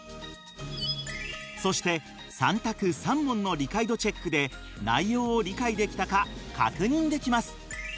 そして３択３問の理解度チェックで内容を理解できたか確認できます。